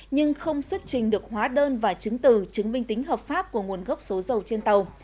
nhưng không xuất trình được hóa đơn và chứng từ chứng minh tính hợp pháp của nguồn gốc số dầu trên tàu